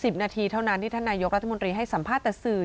นาทีเท่านั้นที่ท่านนายกรัฐมนตรีให้สัมภาษณ์แต่สื่อ